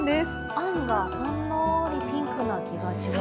あんがほんのーりピンクな気がします。